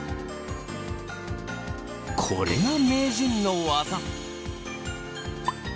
これが名人の技。